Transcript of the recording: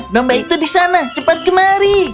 domba itu di sana cepat kemari